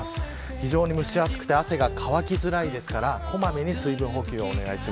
非常に蒸し暑くて汗が乾きづらいですから小まめに水分補給してください。